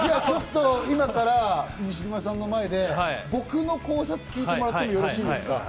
ちょっと今から西島さんの前で僕の考察を聞いてもらってもよろしいですか？